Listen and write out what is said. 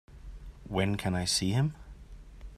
When can I see him?